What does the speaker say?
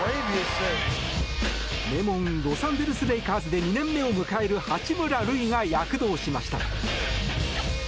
名門ロサンゼルス・レイカーズで２年目を迎える八村塁が躍動しました。